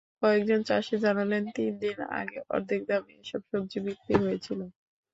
কয়েকজন চাষি জানালেন, তিন দিন আগেও অর্ধেক দামে এসব সবজি বিক্রি হয়েছিল।